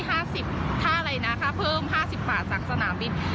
ถ้าอะไรนะค่าเพิ่ม๕๐บาทจากสนามบิน